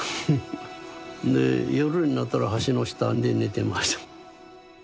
で夜になったら橋の下で寝てました。